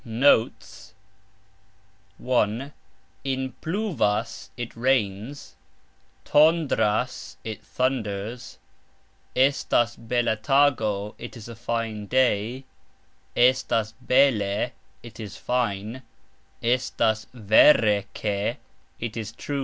NOTES. 1. In "pluvas", it rains; "tondras", it thunders; "estas bela tago", it is a fine day; "estas bele", it is fine; "estas vere, ke..."